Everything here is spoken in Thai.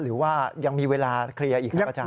หรือว่ายังมีเวลาเคลียร์อีกครับอาจาร